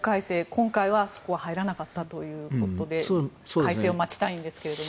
今回はそこは入らなかったということで改正を待ちたいんですが。